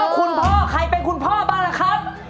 คุณพ่อใครเป็นคุณพ่อบ้างล่ะครับ